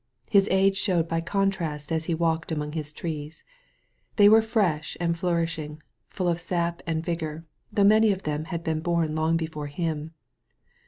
His age showed by contrast as he walked among his trees. They were fresh and flour ishing) full of sap and vigor, though many of them had been bom long before him.